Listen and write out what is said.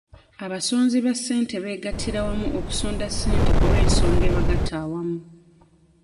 Abasonzi ba ssente beegattira wamu okusonda ssente ku lw'ensonga ebagatta awamu.